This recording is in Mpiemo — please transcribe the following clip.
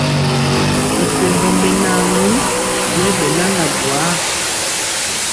Mɛpembɔ mɛnan yi yɛbɛnaga buar.